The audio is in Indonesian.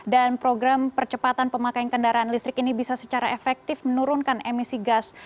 dan program percepatan pemakaian kendaraan listrik ini bisa secara efektif menurunkan emisi gas